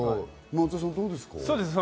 松田さんはどうですか？